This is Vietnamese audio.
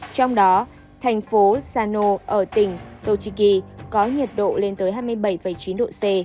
trong đó thành phố sano ở tỉnh tochiki có nhiệt độ lên tới hai mươi bảy chín độ c